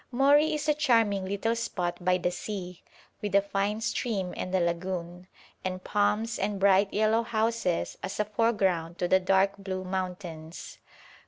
Mori is a charming little spot by the sea, with a fine stream and a lagoon, and palms and bright yellow houses as a foreground to the dark blue mountains.